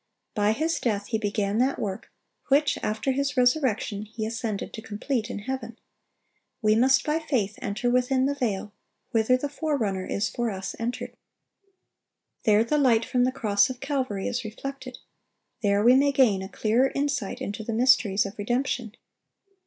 By His death He began that work which after His resurrection He ascended to complete in heaven. We must by faith enter within the veil, "whither the Forerunner is for us entered."(869) There the light from the cross of Calvary is reflected. There we may gain a clearer insight into the mysteries of redemption.